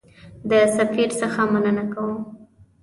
د سفیر څخه مننه کوم.